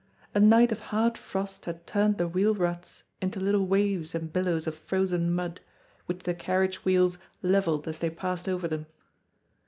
A night of hard frost had turned the wheel ruts into little waves and billows of frozen mud, which the carriage wheels levelled as they passed over them.